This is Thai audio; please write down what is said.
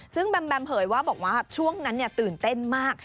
ซึ่งแบมแบมเผยว่าบอกว่าช่วงนั้นตื่นเต้นมาก